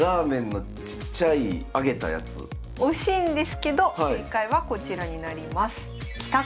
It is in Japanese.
惜しいんですけど正解はこちらになります。